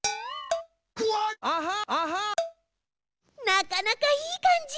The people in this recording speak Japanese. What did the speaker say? なかなかいい感じ。